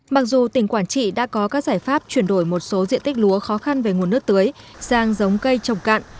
mặc dù tỉnh quảng trị đã có các giải pháp chuyển đổi một số diện tích lúa khó khăn về nguồn nước tưới sang giống cây trồng cạn